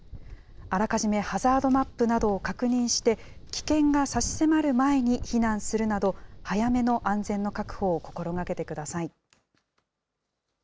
あらかじめ、ハザードマップなどを確認して、危険が差し迫る前に避難するなど、早めの安全の確保を心がけてください。